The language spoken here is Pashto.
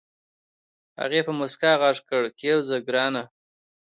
هغې په موسکا غږ کړ کېوځه ګرانه.